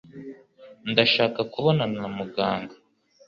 Ndashaka kubonana na muganga.